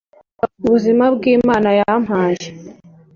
ubuzima imana yampaye